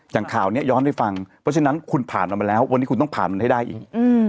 อย่างข่าวนี้ย้อนให้ฟังเพราะฉะนั้นคุณผ่านมันมาแล้ววันนี้คุณต้องผ่านมันให้ได้อีก